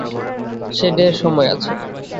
সে ঢের সময় আছে।